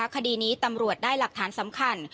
คดีนี้ตำรวจได้หลักฐานสำคัญ